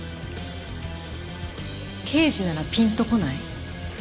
刑事ならピンとこない？